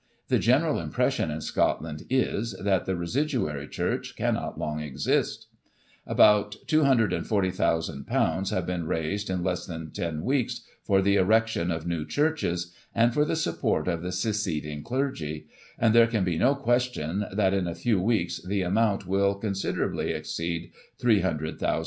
The general impression in Scotland is, that the residuary church cannot long exist. About ;£"240,C)00 have been raised in less than ten weeks, for the erection of new churches, and for the support of the seceding clergy ; and there can be no question that, in a few weeks, the amount will considerably exceed ;£'30O,0CX).